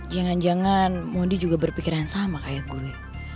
jangan jangan mondi juga berpikiran sama kayak gue